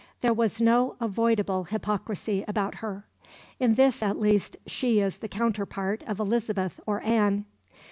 There was no avoidable hypocrisy about her. In this at least she is the counterpart of Elizabeth or Anne.